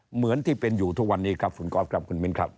เหมือนที่เป็นอยู่ทุกวันนี้ครับส่วนครอบครับคุณเบนครับ